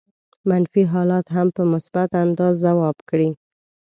منفي حالات هم په مثبت انداز ځواب کړي.